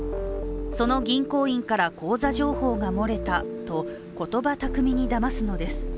その銀行員から口座情報が漏れたと言葉たくみにだますのです。